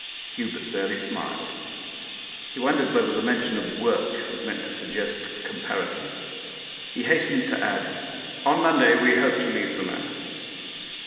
Hubert barely smiled. He wondered whether the mention of work was meant to suggest comparisons. He hastened to add 'On Monday we hope to leave the Manor.